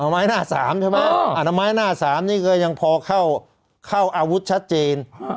อ๋อไม้หน้าสามใช่ไหมอันน้ำไม้หน้าสามนี่ก็ยังพอเข้าอาวุธชัดเจน